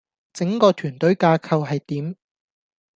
整個團隊架構係點?